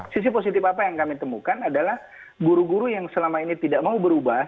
sisi positif apa yang kami temukan adalah guru guru yang selama ini tidak mau berubah